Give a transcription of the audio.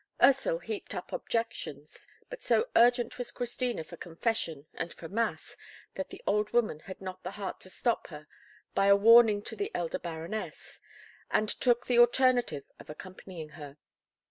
Ursel heaped up objections; but so urgent was Christina for confession and for mass, that the old woman had not the heart to stop her by a warning to the elder Baroness, and took the alternative of accompanying her.